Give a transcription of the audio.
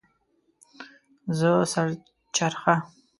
زه سر چرخه